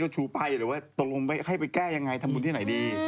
ตัวลงให้ไปแก้ยังไงทำวุลที่ไหนดี